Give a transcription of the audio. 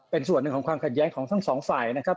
เป็นส่วนหนึ่งของความขัดแย้งของทั้งสองฝ่ายนะครับ